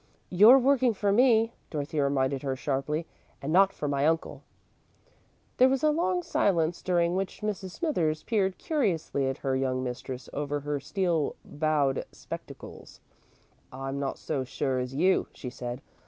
"You're working for me," Dorothy reminded her sharply, "and not for my uncle." There was a long silence, during which Mrs. Smithers peered curiously at her young mistress over her steel bowed spectacles. "I'm not so sure as you," she said.